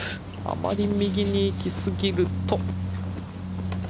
あまり右に行きすぎると。